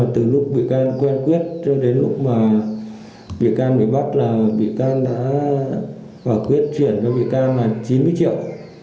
từ lúc vị can quen quyết cho đến lúc mà vị can bị bắt là vị can đã quay quyết chuyển cho vị can là chín mươi triệu